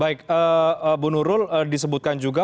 baik bu nurul disebutkan juga